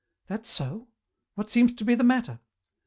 "That so? What seems to be the matter?"